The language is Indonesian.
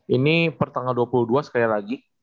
ini pertanggal dua puluh dua sekali lagi